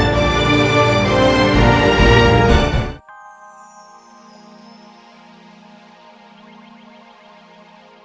tapi sebelum aku tahu red fymmino